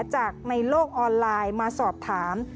จากในโลกออนไลน์มาสอบถาม